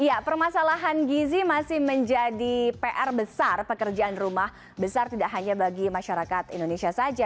iya permasalahan gizi masih menjadi pr besar pekerjaan rumah besar tidak hanya bagi masyarakat indonesia saja